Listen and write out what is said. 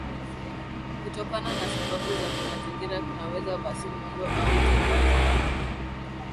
kutokana na sababu za kimazingira kunaweza basi muundo au utendaji wa